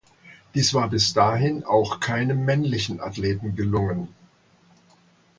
Dies war bis dahin auch keinem männlichen Athleten gelungen.